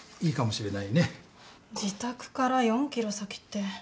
自宅から４ｋｍ先って。